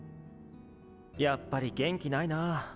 やっぱり元気ないなァ。